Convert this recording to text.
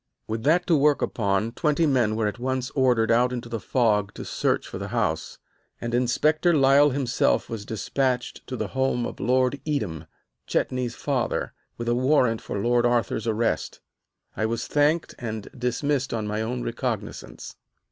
With that to work upon, twenty men were at once ordered out into the fog to search for the house, and Inspector Lyle himself was despatched to the home of Lord Edam, Chetney's father, with a warrant for Lord Arthur's arrest. I was thanked and dismissed on my own recognizance.